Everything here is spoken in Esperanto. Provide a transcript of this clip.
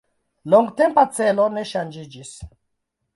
La longtempa celo ne ŝanĝiĝis.